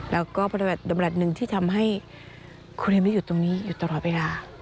แล้วก็พระราชดำรัฐหนึ่งที่ทำให้ครูเรียนได้อยู่ตรงนี้อยู่ตลอดเวลา